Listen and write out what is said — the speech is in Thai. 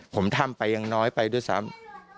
ผมทำไปยังน้อยไปด้วยซ้ำ